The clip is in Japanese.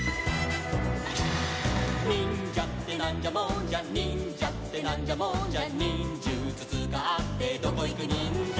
「にんじゃってなんじゃもんじゃ」「にんじゃってなんじゃもんじゃ」「にんじゅつつかってどこいくにんじゃ」